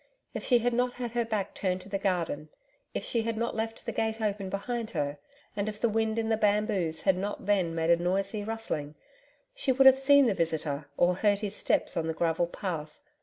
If she had not had her back turned to the garden; if she had not left the gate open behind her, and if the wind in the bamboos had not then made a noisy rustling, she would have seen the visitor or heard his steps on the gravel path.